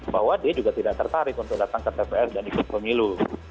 bahwa dia juga tidak tertarik untuk datang ke tps dan ikut pemilu